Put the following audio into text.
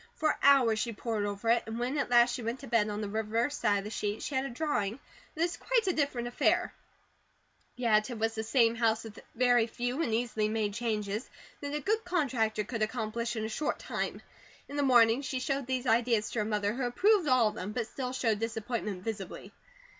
For hours she pored over it, and when at last she went to bed, on the reverse of the sheet she had a drawing that was quite a different affair; yet it was the same house with very few and easily made changes that a good contractor could accomplish in a short time. In the morning, she showed these ideas to her mother who approved all of them, but still showed disappointment visibly.